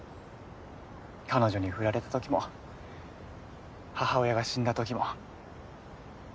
彼女に振られた時も母親が死んだ時も。